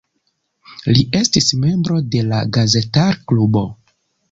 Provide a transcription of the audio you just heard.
Li estis membro de la Gazetar-klubo.